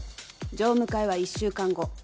常務会は１週間後。